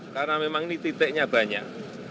karena memang ini titiknya banyak